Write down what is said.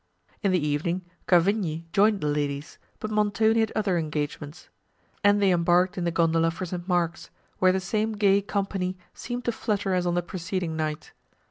In the evening Cavigni joined the ladies, but Montoni had other engagements; and they embarked in the gondola for St. Mark's, where the same gay company seemed to flutter as on the preceding night.